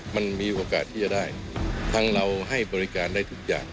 มันมีโอกาสที่จะได้ทั้งเราให้บริการได้ทุกอย่าง